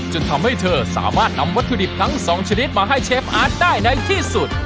จนทำให้เธอสามารถนำวัตถุดิบทั้งสองชนิดมาให้เชฟอาร์ตได้ในที่สุด